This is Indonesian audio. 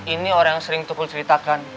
ini orang yang sering tupul ceritakan